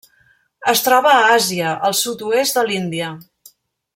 Es troba a Àsia: el sud-oest de l'Índia.